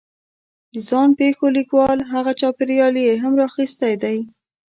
د ځان پېښو لیکوال هغه چاپېریال یې هم را اخستی دی